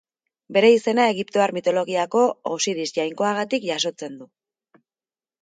Bere izena egiptoar mitologiako Osiris jainkoagatik jasotzen du.